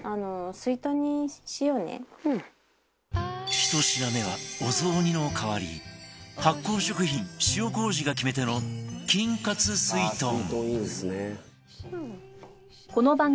１品目はお雑煮の代わり発酵食品塩麹が決め手の菌活すいとん